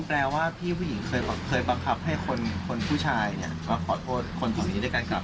อ๋อแปลว่าพี่ผู้หญิงเคยเคยประคับให้คนคนผู้ชายเนี่ยมาขอโทษคนของนี้ได้การกลับ